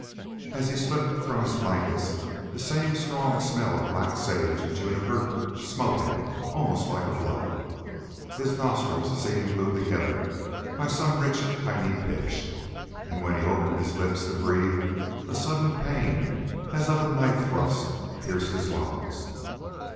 As he slipped from his blankets the same strong smell of black sage and juniper smote him, almost like a blow. His nostrils seemed glued together by some rich piny pitch; and when he opened his lips to breathe a sudden pain, as of a knife thrust, pierced his lungs.